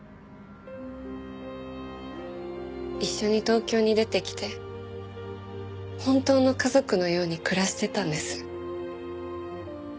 一緒に東京に出てきて本当の家族のように暮らしてたんです。